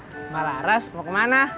mbak laras mau kemana